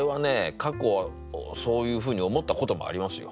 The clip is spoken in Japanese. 過去そういうふうに思ったこともありますよ。